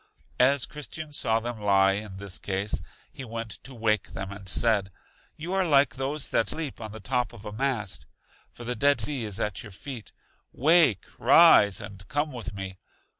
As Christian saw them lie in this case, he went to wake them, and said: You are like those that sleep on the top of a mast, for the Dead Sea is at your feet. Wake, rise, and come with me.